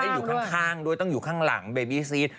อยู่ข้างด้วยต้องอยู่ข้างหลังเบบีซีส